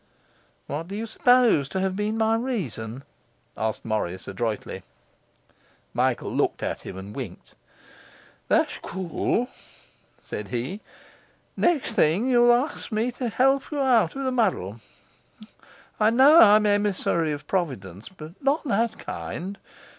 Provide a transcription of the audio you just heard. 'What do you suppose to have been my reason?' asked Morris adroitly. Michael looked at him and winked. 'That's cool,' said he. 'Next thing, you'll ask me to help you out of the muddle. I know I'm emissary of Providence, but not that kind!